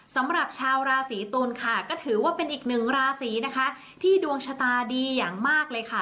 สำหรับชาวราศีตุลค่ะก็ถือว่าเป็นอีกหนึ่งราศีนะคะที่ดวงชะตาดีอย่างมากเลยค่ะ